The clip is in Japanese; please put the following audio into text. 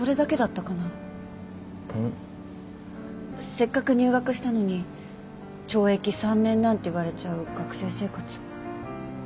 せっかく入学したのに懲役３年なんて言われちゃう学生生活違うでしょ。